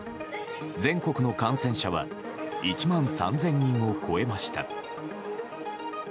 全国の感染者は１万３０００人を超えました。